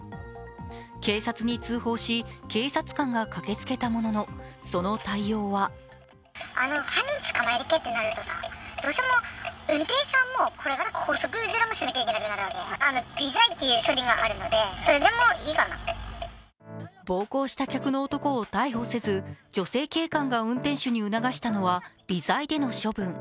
警察に通報し、警察官が駆けつけたもののその対応は暴行した客の男を逮捕せず、女性警官が運転手に促したのは微罪での処分。